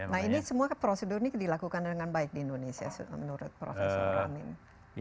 nah ini semua prosedur ini dilakukan dengan baik di indonesia menurut profesor ramin